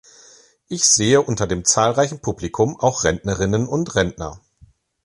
Ich sehe unter dem zahlreichen Publikum auch Rentnerinnen und Rentner.